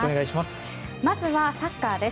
まずはサッカーです。